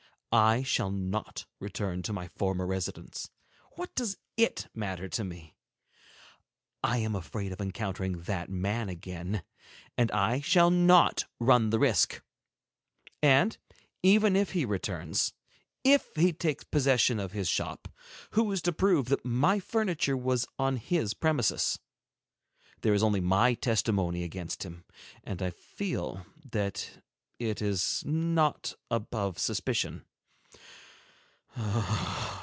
I shall not return to my former residence. What does it matter to me? I am afraid of encountering that man again, and I shall not run the risk. And even if he returns, if he takes possession of his shop, who is to prove that my furniture was on his premises? There is only my testimony against him; and I feel that that is not above suspicion.